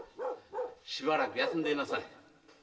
しばらく休んでいなさい。